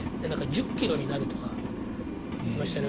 １０キロになるとかいってましたね。